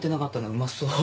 うまそう。